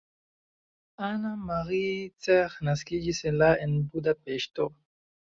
Anna Marie Cseh naskiĝis la en Budapeŝto.